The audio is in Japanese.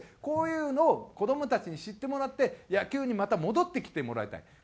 こういうのを子どもたちに知ってもらって野球にまた戻ってきてもらいたい。